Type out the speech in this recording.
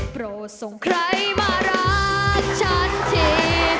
ประสงค์ไพรมารักษันที